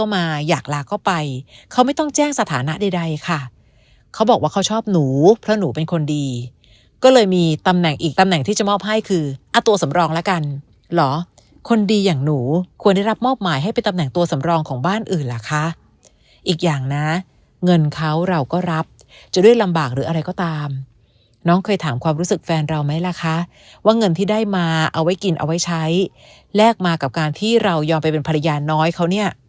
ไม่ต้องแจ้งสถานะใดค่ะเขาบอกว่าเขาชอบหนูเพราะหนูเป็นคนดีก็เลยมีตำแหน่งอีกตำแหน่งที่จะมอบให้คือตัวสำรองละกันหรอคนดีอย่างหนูควรได้รับมอบหมายให้ไปตำแหน่งตัวสำรองของบ้านอื่นล่ะคะอีกอย่างนะเงินเขาเราก็รับจะด้วยลำบากหรืออะไรก็ตามน้องเคยถามความรู้สึกแฟนเราไหมล่ะคะว่าเงินที่ได้มาเอาไว้กิ